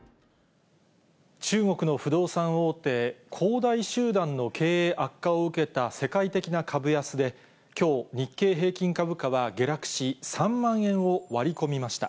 中国の不動産大手、恒大集団の経営悪化を受けた世界的な株安で、きょう、日経平均株価は下落し、３万円を割り込みました。